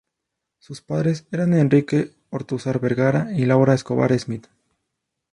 Sus padres eran Enrique Ortúzar Vergara y Laura Escobar Smith.